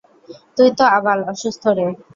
তুই তো আবাল অসুস্থ রে।